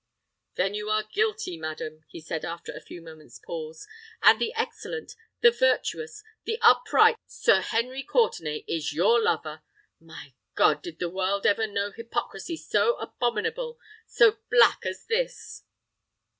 "Then you are guilty, madam," he said, after a few moments' pause; "and the excellent—the virtuous—the upright Sir Henry Courtenay is your lover! My God! did the world ever know hypocrisy so abominable—so black as this?"